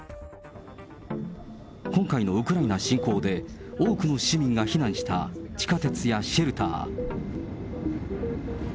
今回のウクライナ侵攻で、多くの市民が避難した地下鉄やシェルター。